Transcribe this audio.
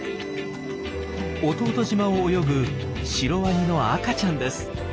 弟島を泳ぐシロワニの赤ちゃんです。